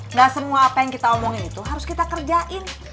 nggak semua apa yang kita omongin itu harus kita kerjain